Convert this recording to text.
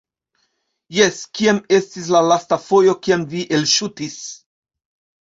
Jes kiam estis la lasta fojo kiam vi elŝutis?